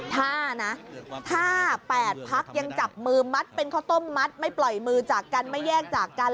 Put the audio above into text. ถ้านะถ้า๘พักยังจับมือมัดเป็นข้าวต้มมัดไม่ปล่อยมือจากกันไม่แยกจากกัน